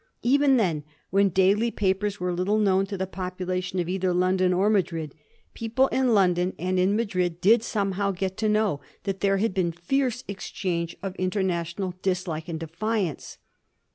Even then, when daily papers were little known to the population of either London or Madrid, people in London and in Madrid did somehow get to know that there had been fierce exchange of interna tional dislike and defiance.